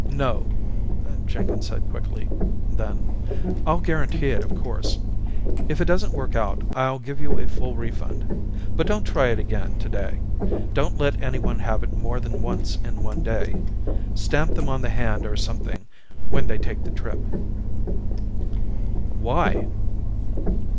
"No," Jenkins said quickly. Then, "I'll guarantee it, of course. If it doesn't work out, I'll give you a full refund. But don't try it again, today. Don't let anyone have it more than once in one day. Stamp them on the hand or something when they take the trip." "Why?"